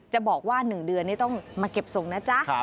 จะบอกว่า๑เดือนนี่ต้องมาเก็บส่งนะจ๊ะ